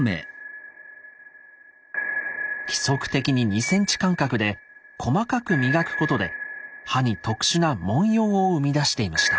規則的に２ｃｍ間隔で細かく磨くことで刃に特殊な文様を生み出していました。